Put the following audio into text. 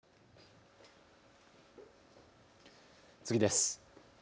次です。